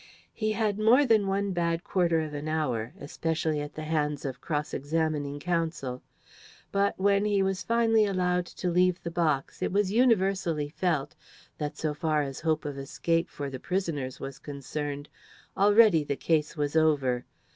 He had more than one bad quarter of an hour, especially at the hands of cross examining counsel. But, when he was finally allowed to leave the box, it was universally felt that, so far as hope of escape for the prisoners was concerned, already the case was over.